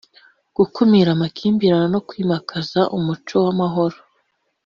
gukumira amakimbirane no kwimakaza umuco w’amahoro